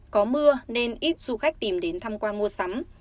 có mưa nên ít du khách tìm đến tham quan mua sắm